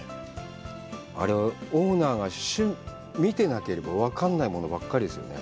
あれ、オーナーが見てなければ、分かんないものばっかりですよね。